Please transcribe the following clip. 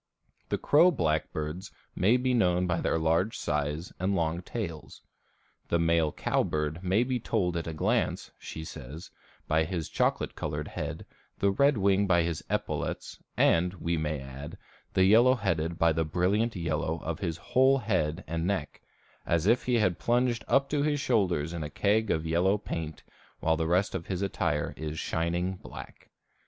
The crow blackbirds may be known by their large size and long tails. The male cowbird may be told at a glance, she says, by his chocolate colored head, the red wing by his epaulettes, and, we may add, the yellow headed by the brilliant yellow of his whole head and neck, "as if he had plunged up to his shoulders in a keg of yellow paint, while the rest of his attire is shining black."